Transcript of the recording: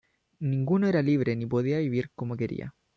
Ninguno era libre ni podía vivir como quería.